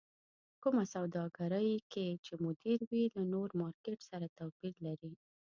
کومه سوداګرۍ کې چې مدير وي له نور مارکېټ سره توپير لري.